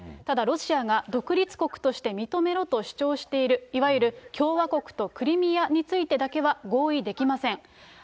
ただ、ロシアが独立国として認めろと主張している、いわゆる共和国とクリミアについてだけは合意できません。